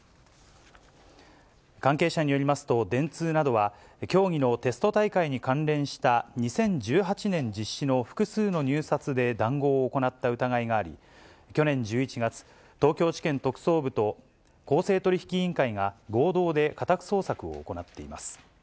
関係者によりますと、電通などは、競技のテスト大会に関連した、２０１８年実施の複数の入札で談合を行った疑いがあり、去年１１月、東京地検特捜部と、公正取引委員会が合同で家宅捜索を行っています。